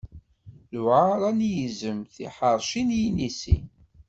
Luɛara n yizem, d tḥerci n yinisi.